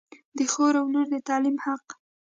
د خور و لور د تعلیم حق